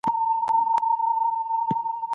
دا شپه د کال یوه ځانګړې شپه ده.